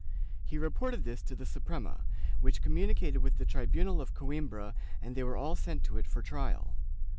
He reported this to the Suprema, which communicated with the tribunal of Coimbra and they were all sent to it for trial.